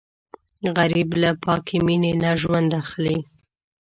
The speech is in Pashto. غریب له پاکې مینې نه ژوند اخلي